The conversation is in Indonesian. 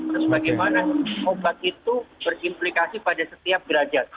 terus bagaimana obat itu berimplikasi pada setiap derajat